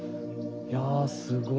いやすごい。